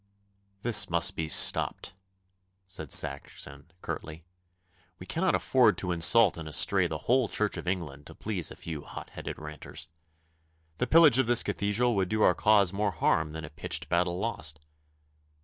'This must be stopped,' said Saxon curtly. 'We cannot afford to insult and estray the whole Church of England to please a few hot headed ranters. The pillage of this Cathedral would do our cause more harm than a pitched battle lost.